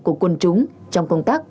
của quân chúng trong công tác